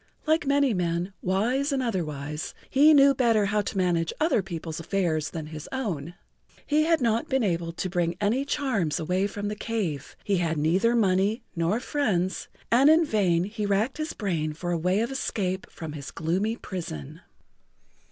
Like many men, wise and otherwise, he knew better how to manage other people's affairs than his own.[Pg 53] He had not been able to bring any charms away from the cave, he had neither money nor friends, and in vain he racked his brain for a way of escape from his gloomy prison.